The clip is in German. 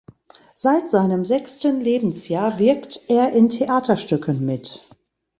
Seit seinem sechsten Lebensjahr wirkt er in Theaterstücken mit.